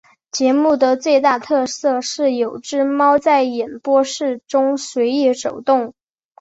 节目的最大特色是有只猫在演播室中随意走动。